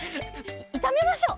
いためましょう！